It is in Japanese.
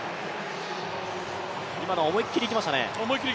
今のは思い切りいきましたね。